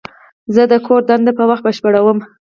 زه د کور دنده په وخت بشپړوم.